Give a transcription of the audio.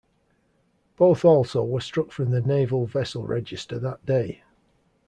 Both also were struck from the Naval Vessel Register that day.